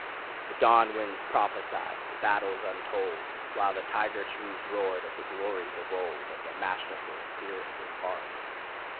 The dawn winds prophesied battles untold. While the Tiger Trees roared of the glories of old, Of the masterful spirits and hard.